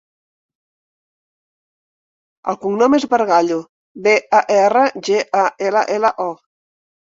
El cognom és Bargallo: be, a, erra, ge, a, ela, ela, o.